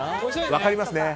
分かりますね。